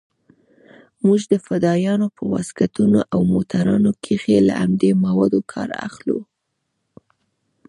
موږ د فدايانو په واسکټونو او موټرانو کښې له همدې موادو کار اخلو.